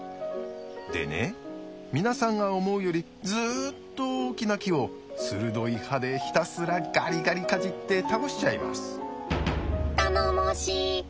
でね皆さんが思うよりずっと大きな木を鋭い歯でひたすらガリガリかじって倒しちゃいます。